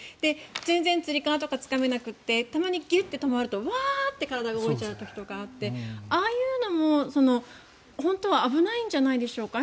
全然つり革とかつかめなくてたまにギュッて止まるとワーッて体が動いちゃう時とかあってああいうのも、本当は危ないんじゃないでしょうか。